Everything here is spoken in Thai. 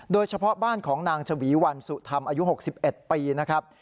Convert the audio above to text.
โดยเฉพาะบ้านของนางชวีวันสุธรรมอายุ๖๑ปีนะครับ